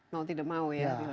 mau tidak mau ya